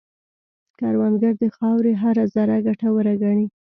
کروندګر د خاورې هره ذره ګټوره ګڼي